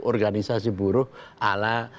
organisasi buruh ala